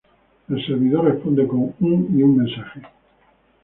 El servidor responde con un y un mensaje.